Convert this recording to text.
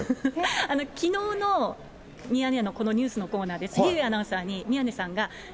きのうのミヤネ屋のこのニュースのコーナーで、杉上アナウンサーに、宮根さんが。